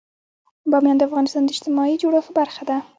بامیان د افغانستان د اجتماعي جوړښت برخه ده.